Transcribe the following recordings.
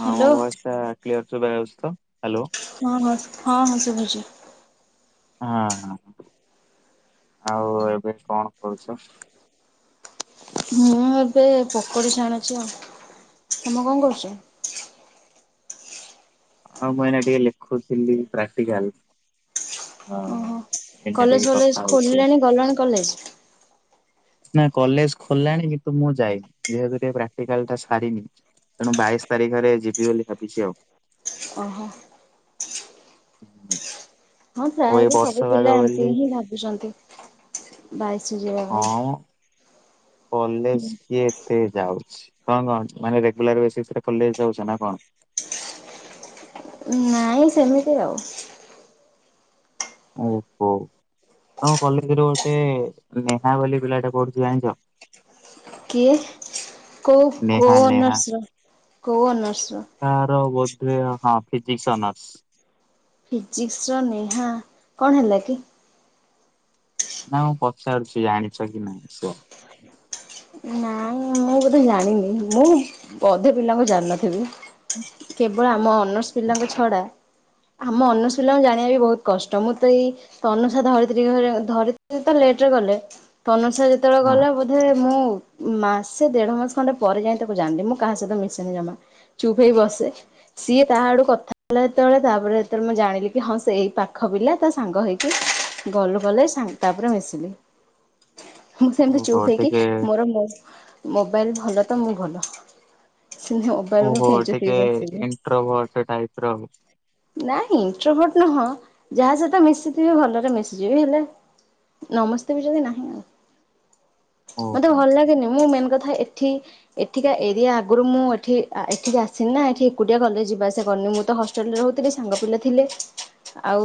ହଁ ମୋ ଭଏସଟା କ୍ଳିଅର ଶୁଭଯାଉଛି ତ ହାଲୋ ହଁ ହଁ ହଁ ହଁ ଶୁଭୁଛି। ହଁ ହଁ ଆଉ ଏବେ କଣ କରୁଛ? ମୁଁ ଏବେ ପକୋଡ଼ି ଛାଣୁଛି ଆ ତମେ କଣ କରୁଛ? ଆଉ ମୁଁ ଏନା ଟିକେ ଲେଖୁଥିଲି ପ୍ରାକ୍ଟିକାଲ। ହଁ ଓହୋ ଏଇନା କଲେଜ ଟିକେ କଥା ଭଲେଜ ହଉଛି ଆଉ। ଖୋଲିଲାଣି ଗଲାଣି କଲେଜ। ନା କଲେଜ ଖୋଲିଲାଣି କିନ୍ତୁ ମୁଁ ଯାଇନି ଯେହେତୁ ଟିକେ ପ୍ରାକ୍ଟିକାଲଟା ସାରିନି। ତେଣୁ ବାଇଶ ତାରିଖରେ ଯିବି ବୋଲି ଭାବିଛି ଆଉ। ଓହୋ। ହୁ। ହଁ [unintelligible] ସବୁ ପିଲା ଏମିତି ହିଁ ଭାବୁଛନ୍ତି ବାଇଶି ଯିବା। ପାଇଁ। ହଁ। କଲେଜ କିଏ ଏତେ ଯାଉଛି କଣ କଣ ମାନେ ରେଗୁଲାର ବେସିସରେ କଲେଜ ଯାଉଛ ନା କଣ? ନାଇଁ ସେମିତି ଆଉ। ଓହୋଃ! ତମ କଲେଜ ରୁ ଗୋଟେ ନେହା ବୋଲି ପିଲାଟା ପଢୁଛି ଜାଣିଛ? କିଏ କୋଉ ନେହା କୋଉ ନେହା ଅନର୍ସର କୋଉ ଅନର୍ସର? ତାର ବୋଧେ ହଁ ଫିଜିକ୍ସ ଅନର୍ସ। ଫିଜିକ୍ସ ର ନେହା କଣ ହେଲା କି? ନା ମୁଁ ପଚାରୁଛି ଜାଣିଛ କି ନାଇଁ କୁହ। ନା ମୁଁ ବୋଧେ ଜାଣିନି ମୁଁ ଅଧେ ପିଲାଙ୍କୁ ଜାଣିନଥିବି। କେବଳ ଆମ ଅନର୍ସ ଓହୋ। ପିଲାଙ୍କୁ ଛଡା। ଆମ ଅନର୍ସ ପିଲାଙ୍କୁ ଜାଣିବା ବି ବହୁତ କଷ୍ଟ ମୁଁ ତ ଏଇ ତନୁସା ଧରିତ୍ରୀ ହେରିକା ଧରିତ୍ରୀରା ଲେଟରେ ଗଲେ ତନୁସା ତେବେଳେ ହଁ ଗଲା ବୋଧେ ମୁଁ ମାସେ ଦେଢ ମାସ ଖଣ୍ଡେ ପରେ ଯାଇ ତାକୁ ଜାଣିଲି ମୁଁ କାହା ସହିତ ମିଶେନି ଜମା ଚୁପ୍ ହେଇ ବସେ ସିଏ ତା ଆଡୁ କଥା ହେଲା ଯେତେବେଳେ ତାପରେ ଯେତେବେଳେ ମୁଁ ଜାଣିଲି କି ହଁ ସେ ଏଇ ପାଖ ପିଲା ତା ସାଙ୍ଗ ହେଇକି ଗଲୁ ଗଲେ [unintelligible] ତା ପୁରା ମେସିନି ମୁଁ ସେମତି ଚୁପ ଓହୋ ହେଇକି ଟିକେ ମୋ ମୋବାଇଲ ଭଲ ତ ମୁଁ ଭଲ। [unintelligible] ମିବାଇଲକୁ ଓହୋ କେଞ୍ଚୁ ଟିକେ ଥିବି ବସିକି। ଇଣ୍ଟ୍ରୋଭଟ ଟାଇପ ର ନାହିଁ ଇଣ୍ଟ୍ରୋଭୋଟ ନୁହଁ ଯାହା ସହିତ ମିଶିଥିବି ଭଲରେ ମିଶିଯିବି ହେଲେ ନମସ୍ତେ ବି ଯଦି ନାହିଁ ମତେ ଓହୋ। ଭଲ ଲାଗେନି ମୁଁ ମେନ କଥା ଏଠି ଏଠିକା ଏରିଆ ଆଗୁରୁ ମୁଁ ଏଠି ଏଠିକି ଆସିନି ନା ଏଠି ଏକୁଟିଆ କଲେଜ ଯିବା ଆସିଵା କରନି ମୁଁ ତ ହ [unintelligible] ରହୁଥିଲି ସାଙ୍ଗ ପିଲା ଥିଲେ ଆଉ।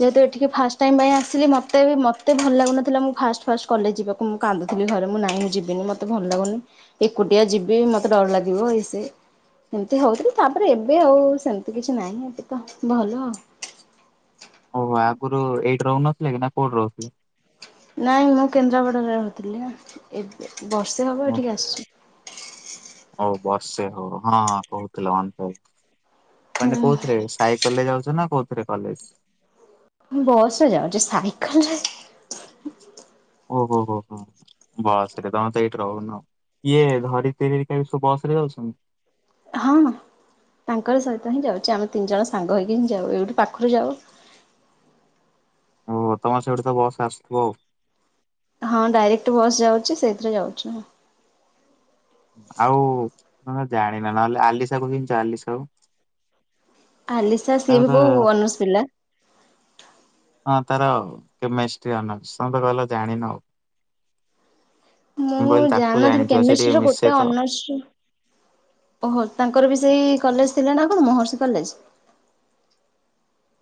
ଯେହେତୁ ଏଠିକି ଫାଷ୍ଟ ଟାଇମ ପାଇଁ ଆସିଲି ମତେ ବି ମତେ ଭଲ ଲାଗୁନଥିଲା ମୁଁ ଫାଷ୍ଟ ଫାଷ୍ଟ କଲେଜ ଯିବାକୁ ମୁଁ କାନ୍ଦୁଥିଲି ଘରେ ମୁଁ ନାଇଁ ମୁଁ ଯିବିନି ମତେ ଭଲ ଲାଗୁନି ଏକୁଟିଆ ଯିବି ମତେ ଡର ଲାଗିବ ଏ ସେ ଏମିତି ହଉଥିଲି ତାପରେ ଏବେ ଆଉ ସେମିତି କିଛି ନାହିଁ ଏବେ ତ ଭଲ। ଓହୋ ଆଗରୁ ଏଇଠି ରହୁନଥିଲେ କି ନା କୋଉଠି ରହୁଥିଲେ? ନାଇଁ ମୁଁ କେନ୍ଦ୍ରାପଡ଼ାରେ ରହୁଥିଲି ଏବ୍ ବର୍ଷେ ହେବ ଏଠିକି ଆସିଛି। ହଉ ବସେ ହଉ ହଁ କହୁଥିଲ ମ ମାନେ କୋଉଥିରେ ସାଇକଲରେ ଯାଉଛ ନା କୋଉଥିରେ କଲେଜ? ବସ ରେ ଯାଉଛି ସାଇକଲରେ ଓହୋ ହୋ ହୋ। ବସ ରେ ତମେ ତ ଏଇଠି ରହୁନ ଇଏ ଧରତିରି [unintelligible] ସବୁ ବସ ରେ ଯାଉଛନ୍ ହଁ ତାଙ୍କର ସହିତ ହିଁ ଯାଉଛି ଆମେ ତିନି ଜଣ ସାଙ୍ଗ ହେଇକି ହିଁ ଯାଉ ଏଇଠୁ ପାଖରୁ ଯାଉ। ଓ ତମର ସିଆଡୁ ତ ବସ ଆସୁଥିବ। ହଁ ଡାଇରେକ୍ଟ ବସ୍ ଯାଉଛି ସେଇଥିରେ ଯାଉଛି। ଆଉ ଜାଣିନ ନହେଲେ ଆଲିସା କୁ ଚିହିଁଛ ଆଲିସାକୁ? ଆଲିସା ସିଏ ତାର ତ ବି କୋଉ ଅନର୍ସ ପିଲା? ହଁ ତାର କେମେଷ୍ଟ୍ରି ଅନର୍ସ ତମେ ତ କହିଲ ଜାଣିନ ଆଉ। ମୁଁ କହିଲି ତାକୁ ଜାଣିନଥିଲି ଜାଣିଥିବ ସେ ଟିକେ କେମିଷ୍ଟ୍ରି ର ମିଶେ ଗୋଟେ ତ ଅନର୍ସ ଓହୋ ତାଙ୍କର ବି ସେଇ କଲେଜ ଥିଲା ନା କଣ ମହର୍ଷି କଲେଜ।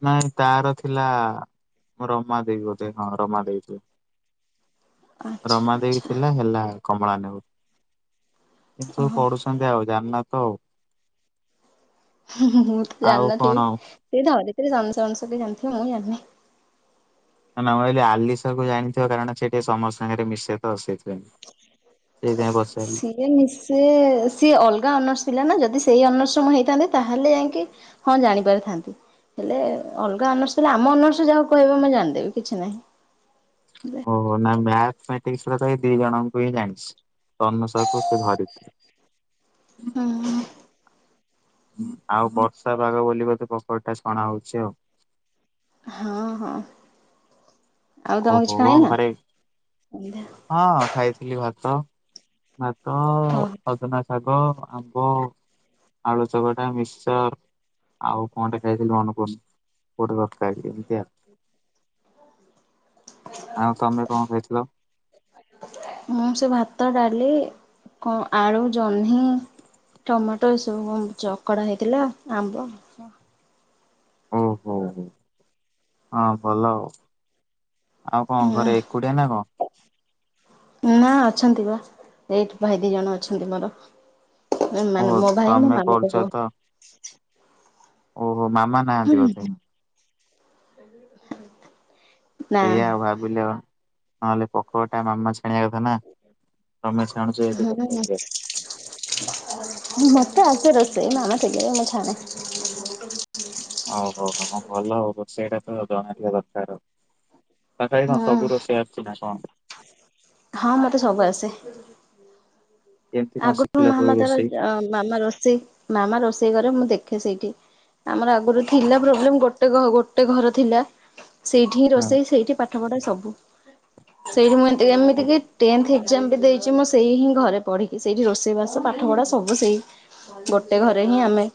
ନାଇଁ ତାର ଥିଲା ରମାଦେବି ବୋଧେ ହଁ ରମାଦେଇ ଥିଲା। ଆଚ୍ଛା ରମା ଦେଇ ଆଚ୍ଛା। ଥିଲା ହେଲା କମଳା ନେବ ଏମିତି ସବୁ ଓହୋ ପଢୁଛନ୍ତି ଆଉ ଜାଣିନ ତ ଆଉ ହୁଁ ହୁଁ ମୁଁ ତ ଆଉ ଜାଣି କଣ ନଥିବି ଆଉ ସେତ [unintelligible] ଜାଣିଥିବେ ମୁଁ ଜାଣିନି। ମୁଁ କିହିଲି ଆଲିସା କୁ ଜାଣିଚ କାରଣ ସେ ଏଠି ସମସ୍ତ ସାଙ୍ଗରେ ମିଶେ ତ ସେଇଥିପାଇଁ। ସେଇଥିପାଇଁ [unintelligible] ନି ସେ ସିଏ ଅଲଗା ଅନର୍ସ ଥିଲା ନା ଯଦି ସେଇ ଅନର୍ସର ମୁ ହେଇଥାନ୍ତି ତାହେଲେ ଯାଇକି ହଁ ଜାଣି ପାରିଥାନ୍ତି। ହେଲେ ଅଲଗା ଅନର୍ସ ହେଲେ ଆମ ଅନର୍ସ ଯାହାକୁ କହିବ ମୁଁ ଜାଣିଦେବି କିଛି ନାହିଁ। ଓହ ନା ମ୍ୟାଥମେଟିକ୍ସ ର ତ ଏଇ ଦି ଜଣଙ୍କୁ ହିଁ ଜାଣିଛି। ତନୁସା କୁ ସେ ଭାରି ହୁଁ ଆଉ ବର୍ଷା ପାଗ ବୋଲି ବୋଧେ ପୋକଡି ଟା ଛଣା ହଉଛି ଆଉ। ହଁ ହଁ। ଆଉ ତମେ କିଛି ଓହୋ ଖାଇନ? ଘରେ ଓହୋ ହଁ ଖାଇଥିଲି ଭାତ। ଭାତ ସଜନା ଶାଗ, ଆମ୍ବ, ଆଳୁ ଚକଟା, ମିକ୍ସଚର। ଆଉ କଣ ଟେ ଖାଇଥିଲି ମନେ ପଡୁନି [unintelligible] ଏମିତି ଆଉ। ହୁଁ ଆଉ ତମେ କଣ ଖାଇଥିଲ। ମୁଁ ସେ ଭାତ, ଡାଲି କଣ ଆଳୁ, ଜହ୍ନି। ଟମାଟୋ ଏସବୁକୁ ଚକଡା ହେଇଥିଲା ଆମ୍ବ। ଓ ହୋ ହୋ ହଁ ଭଲ। ଆଉ କଣ ହୁଁ ଘରେ ଏକୁଡିଆ ନା କଣ? ନା ଅଛନ୍ତି ବା ଏଇଠି ଭାଇ ଦି ଜଣ ଅଛନ୍ତି ମୋର। ମାନେ ଓହୋ ମୋ ଭାଇ ମୋ ତମେ ମାମୁଁଙ୍କ କରୁଛ ପୁଅ। ଓ ହୋ ମାମା ନାହାନ୍ତି ବୋଧେ। ନା ସେଇଆ ଭାବିଲ ନହେଲେ [unintelligible] ମାମା ଆାଣିବା କଥା ନା ତମେ [unintelligible] ହୁଁ ମତେ ଆସେ ରୋଷେଇ [unintelligible] ମୁଁ ଛାଣେ। ହଉ ହଉ ହଁ ଭଲ ହବ ସେଇଟା ତ ଜଣାଥିବା ଦରକାର। ତଥାପି କଣ ହୁଁ। ସବୁ ରୋଷେଇ ଆସିଛି ନା କଣ? ହଁ ମତେ ସବୁ ଆସେ। କେମିତି କଣ ଆଗରୁ ଶିଖିଲ ସବୁ ମାମା ତାର ରୋଷେଇ? ମାମା ରୋଷେଇ ମାମା ରୋଷେଇ କରେ ମୁଁ ଦେଖେ ସେଇଠି। ଆମର ଆଗରୁ ଥିଲା ପ୍ରୋବ୍ଲେମ୍ ଗୋଟେ ଘ ଗୋଟେ ଘର ଥିଲା। ସେଇଠି ହିଁ ହଁ। ରୋଷେଇ ସେଇଠି ପାଠ ପଢ଼ା ସବୁ ସେଇଠି ମୁଁ ଏମିତି ହଉ କି ଟେନ୍ଥ ଏକ୍ଜାମ୍ ବି ଦେଇଛି ମୁଁ ସେଇ ହିଁ ଘରେ ପଢ଼ିକି। ସେଇଠି ରୋଷେଇ ବାସ ପାଠ ପଢ଼ା ସବୁ ସେଇ ଗୋଟେ ଘରେ ହିଁ ଆମେ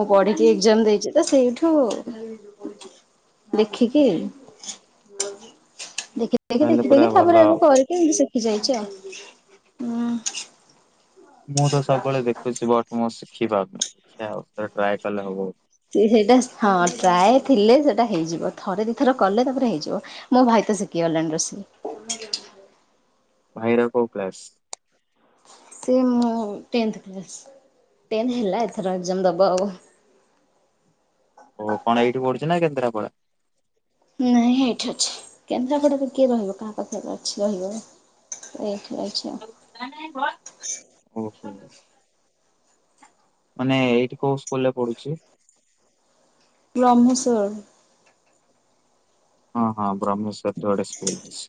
ମୁଁ ପଢିକି ଏକ୍ଜାମ୍ ଦେଇଛି ତ ସେଇଠୁ ଦେଖିକି ଦେଖି ତାହେଲେ ଦେଖି ପୁରା ଦେଖି ଭଲ ତାପରେ ମୁଁ ଆଉ କରି ଦେଖିକି ମୁଁ ଶିଖିଯାଇଛି ଆଉ ହୁଁ। ମୁଁ ତ ସବୁବେଳେ ଦେଖୁଛି ବଟ୍ ମୁଁ ଶିଖିପାରୁନି ଦେଖିଆ ଆଉ ଥରେ ଟ୍ରାଏ କଲେ ହବ। ସେ ସେଇଟା ହଁ ଟ୍ରାଏ ଥିଲେ ସେଇଟା ହେଇଯିବ ଥରେ ଦି ଥର କଲେ ତାପରେ ହେଇଯିବ। ମୋ ଭାଇ ତ ଶିଖିଗଲାଣି ରୋଷେଇ। ହୁଁ ଭାଇର କୋଉ କ୍ଲାସ୍? ସେ ମୁଁ ଟେନ୍ଥ କ୍ଲାସ୍ ଟେନ୍ଥ ହେଲା ଏଥର ଏକ୍ଜାମ୍ ଦବ ଆଉ। ଓ କଣ ଏଇଠି ପଢୁଛି ନା କେନ୍ଦ୍ରାପଡ଼ା? ନାଇଁ ଏଇଠି ଅଛି କେନ୍ଦ୍ରାପଡ଼ା ରେ କିଏ ରହିବ କାହା ପାଖରେ ଅଛି ରହିବ। ଏଇଠି ଅଛି। ଆଉ। [unintelligible] ଓ ହୋ। ମାନେ ଏଇଠି କୋଉ ସ୍କୁଲ୍ ରେ ପଢୁଛି? ବ୍ରହ୍ମସର। ହଁ ହଁ ବ୍ରହ୍ମସର ଗୋଟେ ସ୍କୁଲ୍ ଅଛି।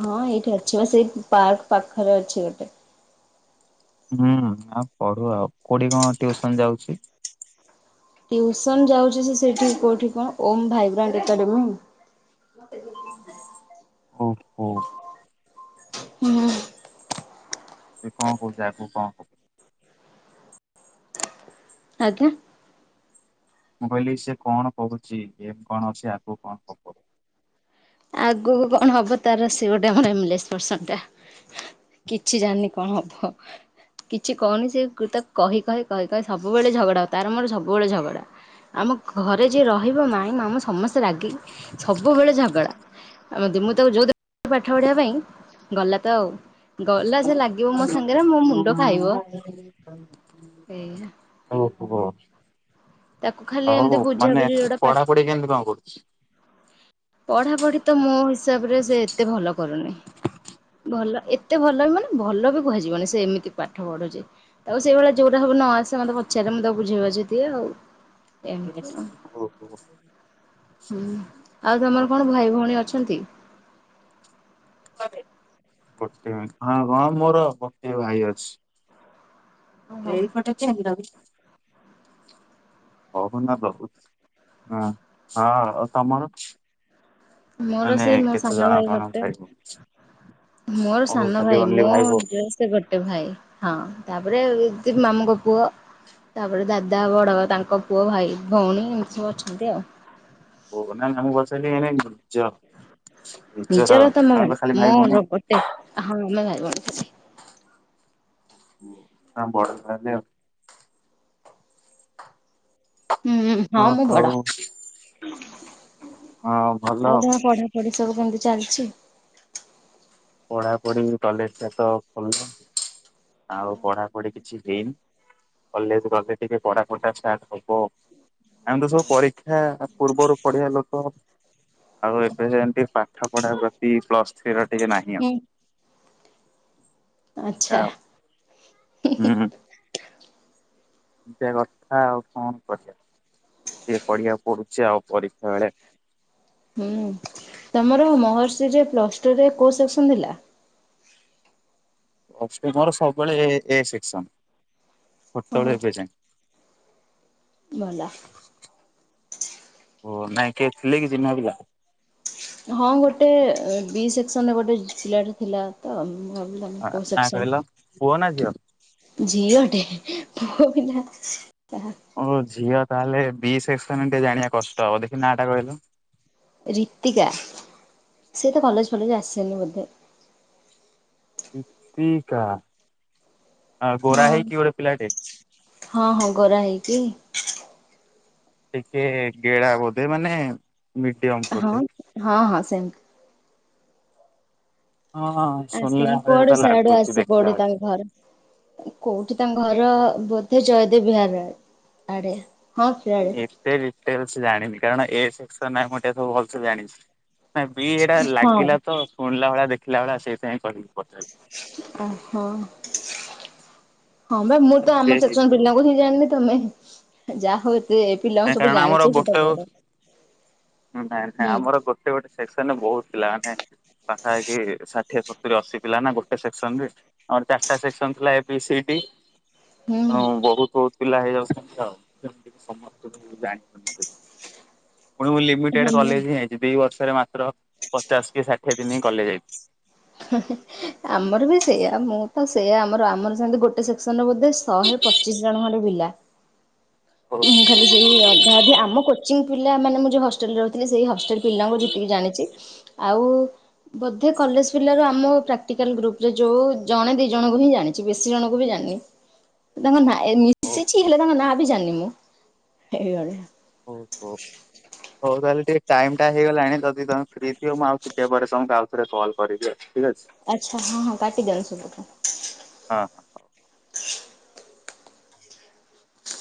ହଁ ଏଇଠି ଅଛି ବା ସେଇ ପାର୍କ ପାଖରେ ଅଛି ଗୋଟେ। ହୁଁ ଆ ପଢୁ଼ ଆଉ କୋଉଠି କଣ ଟ୍ୟୁସନ୍ ଯାଉଛି? ଟ୍ୟୁସନ୍ ଯାଉଛି ସେ ସେଇଠି କୋଉଠି କଣ ଓମ୍ ଭାଇବ୍ରାଣ୍ଟ ଏକାଡେମୀ। [inaudible] ଓ ହୋ। ହୁଁ। ସେ କଣ କହୁଛି ଆଗକୁ କଣ ହବ। ଆଜ୍ଞା। ମୁଁ କହିଲି ସେ କଣ କହୁଛି ଏମ୍ କଣ ଅଛି ଆଗକୁ କଣ ହବ। ଆଗକୁ କଣ ହବ ତାର ସେ ଗୋଟେ ମାନେ [unintelligible] ପରସନ୍ ଟେ। କିଛି ଜାଣିନି କଣ ହବ। କିଛି କହୁନି ସେ ତାକୁ କହି କହି କହି କହି ସବୁବେଳେ ଝଗଡ଼ା ତାର ମୋର ସବୁବେଳେ ଝଗଡ଼ା। ଆମ ଘରେ ଯିଏ ରହିବ ମାଇଁ ମାମୁଁ ସମସ୍ତେ ରାଗିକି ସବୁବେଳେ ଝଗଡ଼ା। ଆ ମୁଁ ତାକୁ ଯୋଉ ଦିନ [unintelligible] ପାଠ ପଢ଼ିବା ପାଇଁ ଗଲା ତ ଆଉ ଗଲା ସେ ଲା [unintelligible] ଏଇଆ। ଓହୋ ତାକୁ ଖାଲି ଏମିତି ହଉ ମାନେ ବୁଝାବୁଝି ଯୋଉଟା ପା ପଢ଼ାପଢ଼ି କେମିତି କଣ କରୁଛି? ପଢ଼ାପଢ଼ି ତ ମୋ ହିସାବରେ ସେ ଏତେ ଭଲ କରୁନି। ଭଲ ଏତେ ଭଲ ବି ମାନେ ଭଲ ବି କୁହାଯିବନି ସେମିତି ପାଠ ପଢୁ଼ଛି। ଆଉ ସେଇଭଳିଆ ଯୋଉଟା ସବୁ ନ ଆସେ ମତେ ପଚାରେ ମୁଁ ତାକୁ ବୁଝେଇବାଝେଇ ଦିଏ ଆଉ। ଏମିତି ଆଉ ଓ ହୋ। ହୁଁ ଆଉ ତମର କଣ ଭାଇ ଭଉଣୀ ଅଛନ୍ତି? ଗୋଟେ ହଁ ହଁ ମୋର ଗୋଟେ ଭାଇ ଅଛି। ଓହୋ ଏଇପଟ କେବ [unintelligible] ହଉନା ବହୁ ହଁ ଆଉ ତମର। ମୋର ମାନେ ସେଇ ମୋ କେତେ ସାନ ଜଣ ଭାଇ କଣ ଗୋଟେ। ଭଉଣୀ? ମୋର ଓ ସାନ ଖାଲି ଭାଇ ଓନ୍ଲି ଭଉଣୀ ମଁ ସେ ଗୋଟେ ଭାଇ ହଁ ତାପରେ ମାମୁଙ୍କ ପୁଅ ତାପରେ ଦାଦା ବଡବାପା ତାଙ୍କ ପୁଅ ଭାଇ ଭଉଣୀ ଏମିତି ସବୁ ଅଛନ୍ତି ଆଉ। ହ ନା ନମ ବସିଲ ଏନେ ନିର୍ଜ [unintelligible] ନିଜର ତ ମ ମୋର ଗୋଟେ ହଁ ଆମେ ଭାଇିଭଉଣୀ। ଓ ତା ବଡ ତାହାଲେ ଆଉ। ହୁଁ ହଁ ମୁଁ ବଡ ହଉ ହଁ ଭଲ। ଆଉ ଯହା ପଢ। ସବୁ କେମିତି ଚାଲିଛି? ପଢାପଢି କଲେଜ ଟା ତ ଖୋଲୁନି ଆଉ ପଢାପଢି କିଛି ଦିନ କଲେଜ ଗଲେ ଟିକେ ପଢାପଢ଼ି ଟା ଷ୍ଟାଟ ହବ ଆମେ ତ ସବୁ ପରୀକ୍ଷା ପୂର୍ବରୁ ପଢ଼ିବା ଲୋକ। ଆଉ ଏବେ ଯେମତି ପାଠ ପଢା ପ୍ରତି ପ୍ଲସ୍ ଥ୍ରୀ ର ଟିକେ ନାହିଁ। ହୁଁ। ଆଚ୍ଛା। ଆଉ। ହୁଁ ହୁଁ। ଏମିତିଆ କଥା ଆଉ କଣ କରିବା ଟିକିଏ ପଢିବାକୁ ପଡୁଛି ଆଉ ପରୀକ୍ଷା ବେଳେ ହୁଁ ତମର ମହର୍ଷିରେ ପ୍ଲସ ଟୁରେ କୋଉ ସେକ୍ସନ ଥିଲା? ମୋର ସବୁବେଳେ ଏ ଏ ସେକ୍ସନ ଓହୋ ଛୋଟବେଳୁ ଏବେ ଯାଏ। ଭଲ। ଓ ନାଇଁ କିଏ ଥିଲେ କି ଚିନ୍ହା ପିଲା? ହଁ ଗୋଟେ ବି ସେକ୍ସନ ଗୋଟେ ପିଲା ଟେ ଥିଲା ତ [unintelligible] ହଁ ନା କହିଲ ସେକ୍ସନ ପୁହ ନା ଝିଅ? ଝିଅଟେ ପୁଅ ପିଲା। ଓ ଝିଅ ତାହେଲେ ବି ସେକ୍ସନ ଟିକେ ଜାଣିବା କଷ୍ଟ ଦେଖି ନା ଟା କହିଲ? ରୀତିକା ସିଏ ଏତେ କଲେଜ ଫଲେଜ ଆସେନି ବୋଧେ। ରୀତିକା ହଁ ଗୋରା ହଁ। ହେଇକି ପିଲଟେ। ହଁ ହଁ ଗୋରା ହେଇକି। ଟିକେ ଗେଡା ବୋଧେ ମାନେ ମିଡ଼ିୟମ୍। ହଁ ହଁ ହଁ ସେମତି। ହଁ ହଁ। ଆସେନି କୁଆଡୁ ସେଆଡୁ ଆସେ କୋଉଠି ତାଙ୍କ ଘର। କୋଉଠି ତାଙ୍କ ଘର ବୋଧେ ଜୟଦେବ ବିହାର ଆଡେ ହଁ ସେଆଡେ। ସେ ଡିଟେଲସ ଜାଣିନି କାରଣ ଏ ସେକ୍ସନ ନାଁ ମୁଁ ଟିକେ ଭଲସେ ଜାଣିଛି। ନା ବି ଏଇଟା ହଁ। ଲାଗିଲା ତ ଶୁଣିଲା ଭଳିଆ ଦେଖିଲା ଭଳିଆ ସେଇଥିପାଇଁ କହିବି ପଚାରି। ଓହୋ ହଁ ବା ମୁଁ ତ ସେ ଆମ ସେକ୍ସନ ହେଇଥିବ। ପିଲାଙ୍କୁ ଜାଣିନି ତମେ ଯାହା ହଉତେ ଏ ପିଲାଙ୍କୁ ନାଇଁ ସବୁ କାରଣ ଆମର ଜାଣିଛ ସେଇଟା ଗୋଟେ ବଡ଼ ନାଇଁ ନାଇଁ ଆମର ଗୋଟେ ଗୋଟେ ସେକ୍ସନ ବହୁତ ପିଲା ମାନେ ପାଖାପାଖି ଷାଠିଏ ସତୁରିୀ ଅଶୀ ପିଲା ନା ଗୋଟେ ସେକ୍ସନ ରେ। ଆର ଚାରଟା ସେକ୍ସନ ଥିଲା ଏ ବି ସି ଡି। ହୁଁ। ହଁ ବହୁତ୍ ବହୁତ୍ ପିଲା ହେଇଯାଉଛନ୍ତି ଆଉ ଯେମିତି କି ସମସ୍ତ ଜାଣିବ ପୁଣି ମୁଁ ଲିମିଟେଡ୍ କଲେଜ ହିଁ ଯାଇଛି ଦି ବର୍ଷରେ ମାତ୍ର ପଚାଶ କି ଷାଠିଏ ଦିନ ହିଁ କଲେଜ ଯାଇଛି। [unintelligible] ଆମର ବି ସେଇୟା ମୁଁ ତ ସେଇୟା ଆମର ଆମର ସେମତି ଗୋଟେ ସେକ୍ସନ ରେ ବୋଧେ ଶହେ ପଚିଶ ଜଣ ଖଣ୍ଡେ ପିଲା। ଓ ମୁଁ ଖାଲି ସେଇ ଅଧା ଅଧି ଆମ କ ପିଲା ମାନ ମୁଁ ଯ ହେଲରେ ରହୁଥିଲି ସେଇ ହେଲ ପିଲାଙ୍କୁ ଯେତିକି ଜାଣିଛି ଆଉ ବୋଧେ କଲେଜ ପିଲାରୁ ଆମ ପ୍ରାକ୍ଟିକାଲ ଗ୍ରୁପ୍ ରେ ଯଉ ଜଣେ ଦିଇ ଜଣଙ୍କୁ ହିଁ ଜାଣିଛି ବେଶୀ ଜଣଙ୍କୁ ବି ଜାିଣିନି ହଁ ତାଙ୍କ ନାଁ ମିଶିଛି ହେଲେ ତାଙ୍କ ନାଁ ବି ଜାଣିନି ମୁଁ ଏଇଭଳିଆ ହଉ। ହୋ। ହଉ ତାହେଲେ ଟିକେ ଟାଇମ୍ ଟା ହେଇଗଲାଣି ଯଦି ତମେ ଫ୍ରି ଥିବ ମୁଁ ଆଉ ଟିକେ ପରେମକୁ ଆଉ ଥରେ କଲ୍ କରିଦିଅ ଠିକ୍ ଅଛି। ଆଚ୍ଛା ହଁ ହଁ କାଟି ଦିଅନ୍ତୁ ସେପଟରୁ ହଁ ହଁ।